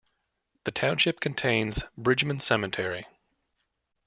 The township contains Bridgeman Cemetery.